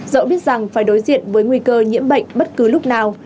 dẫu biết rằng phải đối diện với nguy cơ nhiễm bệnh bất cứ lúc nào